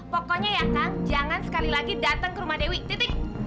pokoknya ya kang jangan sekali lagi datang ke rumah dewi titik